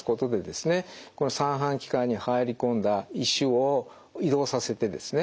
この三半規管に入り込んだ石を移動させてですね